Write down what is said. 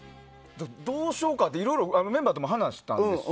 どうしようかって、いろいろメンバーとも話したんですよ。